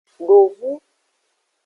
Dovu.